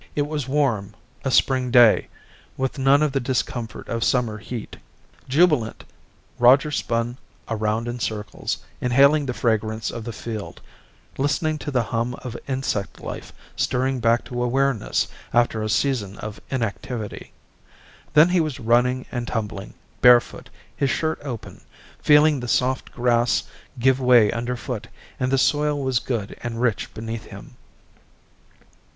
It was warm, a spring day, with none of the discomfort of summer heat. Jubilant, Roger spun around in circles, inhaling the fragrance of the field, listening to the hum of insect life stirring back to awareness after a season of inactivity. Then he was running and tumbling, barefoot, his shirt open, feeling the soft grass give way underfoot and the soil was good and rich beneath him.